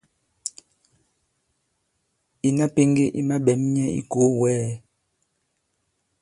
Ìna pēŋge i maɓɛ̌m nyɛ i ikòo wɛ̌ɛ!